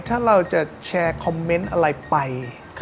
ถ้าเราจะแชร์คอมเมนต์อะไรไป